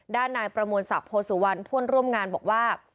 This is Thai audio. ด้านนายประมวลศักดิโพสุวรรณเพื่อนร่วมงานบอกว่า